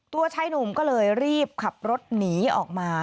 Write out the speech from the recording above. ชายหนุ่มก็เลยรีบขับรถหนีออกมา